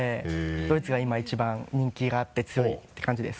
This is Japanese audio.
ドイツが今一番人気があって強いって感じです。